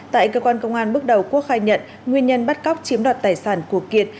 tại cơ quan công an bước đầu quốc khai nhận nguyên nhân bắt cóc chiếm đoạt tài sản của kiệt